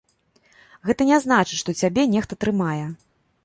Гэта не значыць, што цябе нехта трымае.